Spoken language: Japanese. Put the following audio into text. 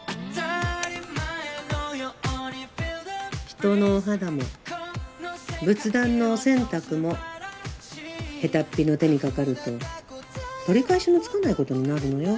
人のお肌も仏壇のお洗濯も下手っぴの手にかかると取り返しのつかないことになるのよ。